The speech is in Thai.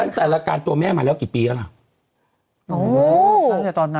ตั้งแต่ราการตัวแม่มาแล้วกี่ปีกันล่ะ